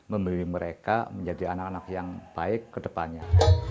membeli mereka menjadi anak anak yang baik kedepannya